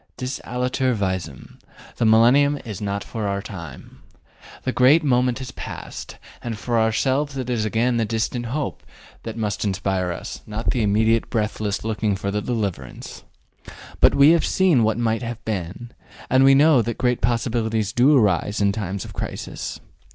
Dis aliter visum: the millennium is not for our time. The great moment has passed, and for ourselves it is again the distant hope that must inspire us, not the immediate breathless looking for the deliverance. But we have seen what might have been, and we know that great possibilities do arise in times of crisis.